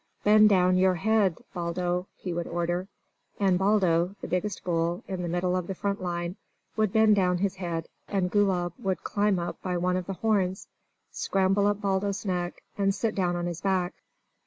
"Bend down your head, Baldo!" he would order. And Baldo, the biggest bull, in the middle of the front line, would bend down his head, and Gulab would climb up by one of the horns, scramble up Baldo's neck, and sit down on his back.